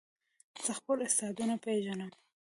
زه خپل استعدادونه پېژنم.